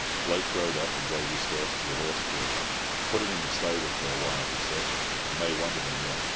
Blake rode up and gave his horse to the horse boy. "Put him in the stable for a while," he said. "I may want him again."